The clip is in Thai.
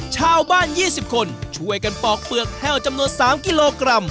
ชาวบ้าน๒๐คนช่วยกันปอกเปลือกแห้วจำนวน๓กิโลกรัม